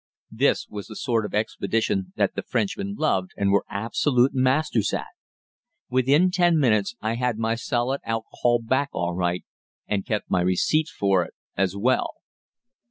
This is the sort of expedition that the Frenchmen loved and were absolute masters at. Within ten minutes I had my solid alcohol back all right and kept my receipt for it as well.